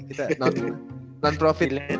baru tebatnya nggak ada sih